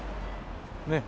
ねえ。